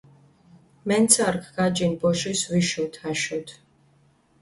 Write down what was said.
მენცარქ გაჯინჷ ბოშის ვიშოთ, აშოთ.